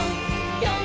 ぴょん！